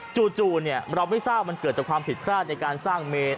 จู่เราไม่ทราบมันเกิดจากความผิดพลาดในการสร้างเมน